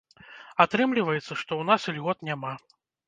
Атрымліваецца, што ў нас ільгот няма.